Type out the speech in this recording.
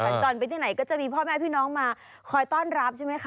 สัญจรไปที่ไหนก็จะมีพ่อแม่พี่น้องมาคอยต้อนรับใช่ไหมคะ